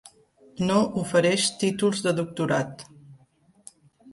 No ofereix títols de doctorat.